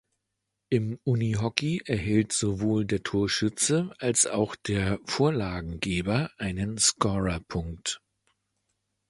Im Unihockey erhält sowohl der Torschütze als auch der Vorlagengeber einen Scorerpunkt.